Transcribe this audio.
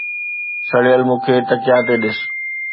سڙيل، مون کي تکيا تي ڏس